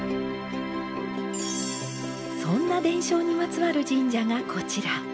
そんな伝承にまつわる神社がこちら。